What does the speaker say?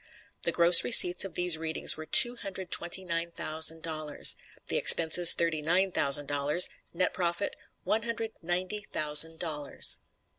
The gross receipts of these readings were two hundred twenty nine thousand dollars; the expenses thirty nine thousand dollars; net profit, one hundred ninety thousand dollars.